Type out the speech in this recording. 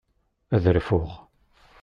Ad rfuɣ.